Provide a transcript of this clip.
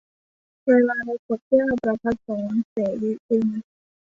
เวลาในขวดแก้ว - ประภัสสร เสวิกุล